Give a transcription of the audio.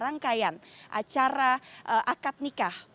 rangkaian acara akad nikah